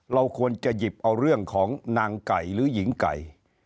เราควรจะหยิบเอาเรื่องของนางไก่หรือหญิงไก่